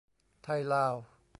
ไทยลาว